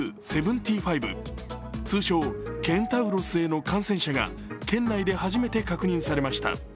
通称ケンタウロスへの感染者が県内で初めて確認されました。